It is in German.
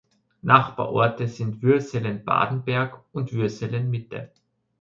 Nachbarorte sind Würselen-Bardenberg und Würselen-Mitte.